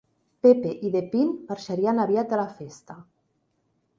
Pepe i De Pin marxarien aviat de la festa.